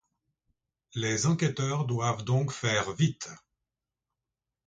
Les enquêteurs doivent donc faire vite.